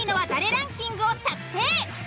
ランキングを作成。